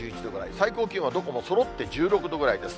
最高気温はどこもそろって１６度ぐらいです。